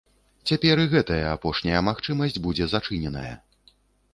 Цяпер і гэтая апошняя магчымасць будзе зачыненая.